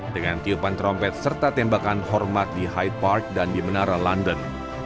dengan tiupan trompet serta tembakan hormat di hyde park dan di menara london